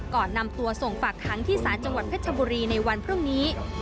ก่อนนำตัวส่งฝากค้างที่ศาลจังหวัดเพชรบุรีในวันพรุ่งนี้